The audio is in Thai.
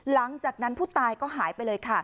หลังจากนั้นผู้ตายก็หายไปเลยค่ะ